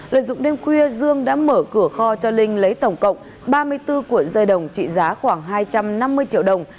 lợi dụng đêm khuya dương đã mở cửa kho cho linh lấy tổng cộng ba mươi bốn cuộn dây đồng trị giá khoảng hai trăm năm mươi triệu đồng